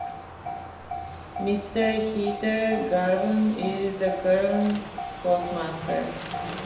Mrs. Heather Garvock is the current Postmaster.